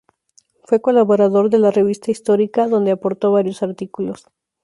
Fue colaborador de la 'Revista histórica' donde aportó varios artículos.